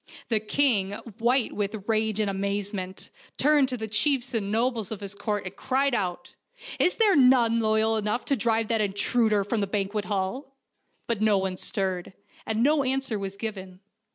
The king, white with rage and amazement, turned to the chiefs and nobles of his court, and cried out : THE FAIRY TREE OF DOOROS 121 " Is there none loyal enough to drive that in truder from the banquet hall? r But no one stirred, and no answer was given.